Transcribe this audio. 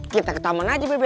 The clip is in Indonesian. kita ke taman aja bbm